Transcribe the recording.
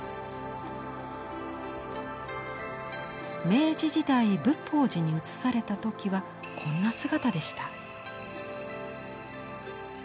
明治時代仏法寺に移された時はこんな姿でした。